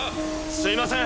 すみません